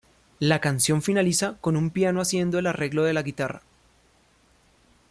La canción finaliza con un piano haciendo el arreglo de la guitarra.